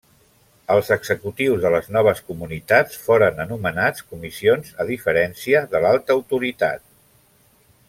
Els executius de les noves comunitats foren anomenats comissions, a diferència de l'Alta autoritat.